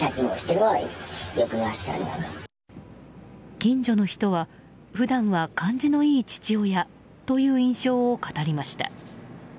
近所の人は普段は感じのいい父親という印象を語りました。